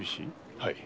はい。